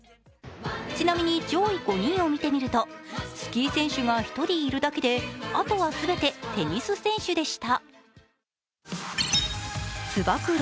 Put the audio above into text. ちなみに上位５人を見てみるとスキー選手が１人いるだけであとは全てテニス選手でした。